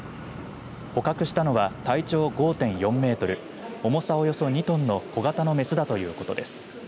捕獲したのは体長５．４メートル重さおよそ２トンの小型のメスだということです。